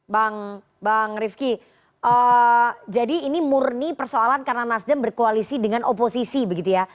bang rifki jadi ini murni persoalan karena nasdem berkoalisi dengan oposisi begitu ya